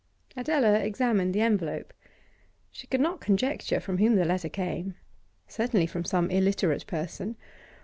Adela examined the envelope. She could not conjecture from whom the letter came; certainly from some illiterate person.